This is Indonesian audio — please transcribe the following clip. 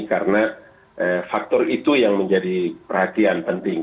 karena faktor itu yang menjadi perhatian penting